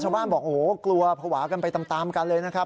บอกโอ้โหกลัวภาวะกันไปตามกันเลยนะครับ